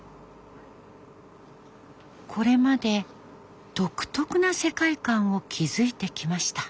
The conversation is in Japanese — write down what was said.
これまで独特な世界観を築いてきました。